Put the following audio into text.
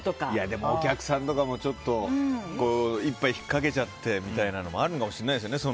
でも、お客さんとかも一杯ひっかけちゃってみたいなのもあるかもしれないですね。